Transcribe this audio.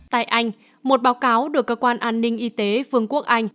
tại anh một báo cáo được cơ quan an ninh y tế vương quốc anh